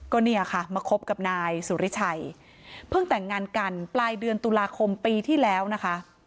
ก็เนี่ยค่ะมาคบกับนายสุริชัยเพิ่งแต่งงานกันปลายเดือนตุลาคมปีที่แล้วนะคะ